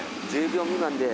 １０秒未満で。